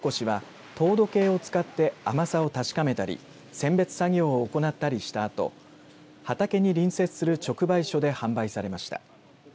収穫したとうもろこしは糖度計を使って甘さを確かめたり選別作業を行ったりしたあと畑に隣接する直売所で販売されました。